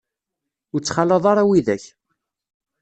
Ur ttxalaḍ ara widak.